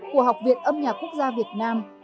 của học viện âm nhạc quốc gia việt nam